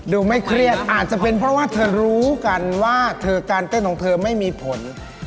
ไม่เครียดอาจจะเป็นเพราะว่าเธอรู้กันว่าเธอการเต้นของเธอไม่มีผล